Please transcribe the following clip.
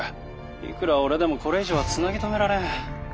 いくら俺でもこれ以上はつなぎ止められん。